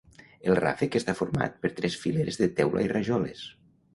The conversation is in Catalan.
El ràfec està format per tres fileres de teula i rajoles.